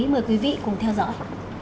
mời quý vị cùng theo dõi